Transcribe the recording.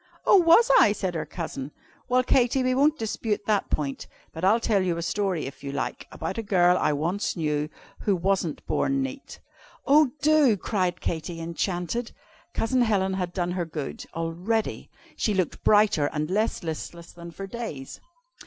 "Oh, was I?" said her Cousin. "Well, Katy, we won't dispute that point, but I'll tell you a story, if you like, about a girl I once knew, who wasn't born neat." "Oh, do!" cried Katy, enchanted. Cousin Helen had done her good, already. She looked brighter and less listless than for days.